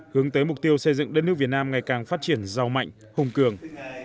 hướng tới mục tiêu xây dựng đất nước việt nam ngày càng phát triển giàu mạnh hùng cường